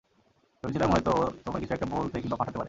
ভেবেছিলাম হয়তো ও তোমায় কিছু একটা বলতে কিংবা পাঠাতে পারে।